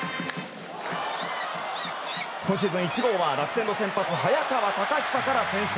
今シーズン１号は楽天の先発早川隆久から先制。